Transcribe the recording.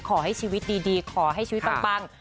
ขอให้ชีวิตดีขอให้ชีวิตปัง